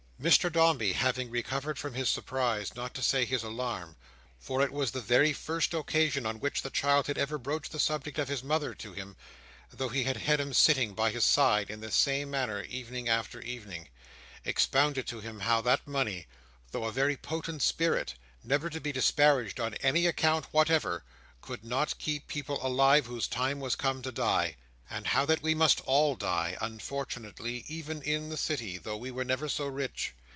Mr Dombey having recovered from his surprise, not to say his alarm (for it was the very first occasion on which the child had ever broached the subject of his mother to him, though he had had him sitting by his side, in this same manner, evening after evening), expounded to him how that money, though a very potent spirit, never to be disparaged on any account whatever, could not keep people alive whose time was come to die; and how that we must all die, unfortunately, even in the City, though we were never so rich.